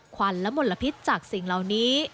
ควันและมลพิษจากสิ่งเหล่านี้